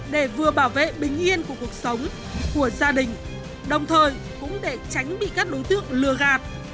để vừa bảo vệ bình yên của cuộc sống của gia đình đồng thời cũng để tránh bị các đối tượng lừa gạt